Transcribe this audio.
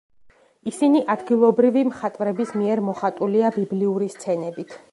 ისინი ადგილობრივი მხატვრების მიერ მოხატულია ბიბლიური სცენებით.